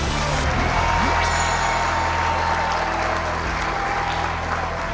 เจ้าชายศิษฐะทรงพนวทที่ริมฝั่งแม่น้ำใด